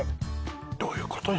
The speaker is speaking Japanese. どういうことよ